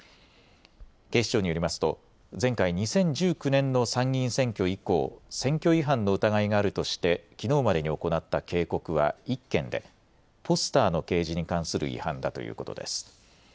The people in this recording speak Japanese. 警視庁によりますと前回２０１９年の参議院選挙以降、選挙違反の疑いがあるとしてきのうまでに行った警告は１件でポスターの掲示に関する違反だということです。